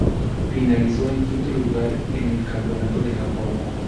Finalizó en quinto lugar en el Campeonato de Japón.